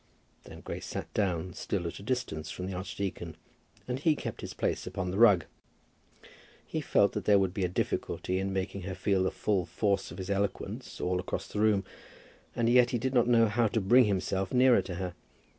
Then Grace sat down, still at a distance from the archdeacon, and he kept his place upon the rug. He felt that there would be a difficulty in making her feel the full force of his eloquence all across the room; and yet he did not know how to bring himself nearer to her.